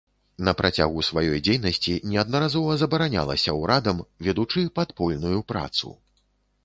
На працягу сваёй дзейнасці неаднаразова забаранялася ўрадам, ведучы падпольную працу.